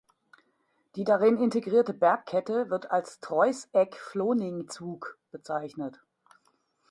Die darin integrierte Bergkette wird als „Troiseck-Floning-Zug“ bezeichnet.